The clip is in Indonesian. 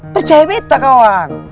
percaya bete kawan